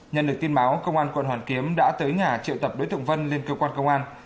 nhận được tin báo công an quận hoàn kiếm đã tới nhà triệu tập đối tượng vân lên cơ quan công an